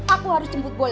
aku harus jemput bola